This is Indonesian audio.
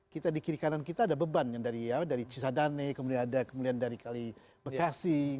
kita di kiri kanan kita ada beban yang dari cisadane kemudian ada kemudian dari kali bekasi